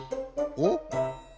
おっ？